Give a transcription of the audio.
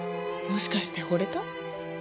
もしかしてほれた？